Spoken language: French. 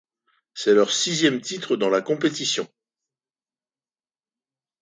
C'est leur sixième titre dans la compétition.